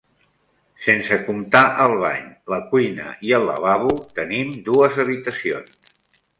Sense comptar el bany, la cuina i el lavabo, tenim dues habitacions.